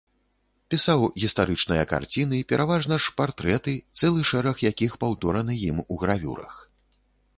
Пісаў гістарычныя карціны, пераважна ж партрэты, цэлы шэраг якіх паўтораны ім у гравюрах.